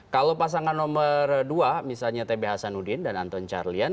kalau pasangan nomor dua misalnya t b hasanudin dan anton carlyan